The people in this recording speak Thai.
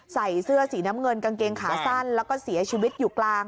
ใส่เสื้อสีน้ำเงินกางเกงขาสั้นแล้วก็เสียชีวิตอยู่กลาง